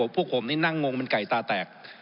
พวกผมนี่นั่งงงมันไก่ตาแตก